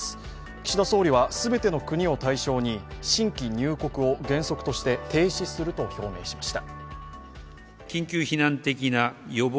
岸田総理は全ての国を対象に新規入国を原則として停止すると表明しました。